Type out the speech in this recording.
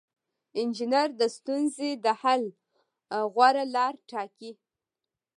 انجینر د ستونزې د حل غوره لاره ټاکي.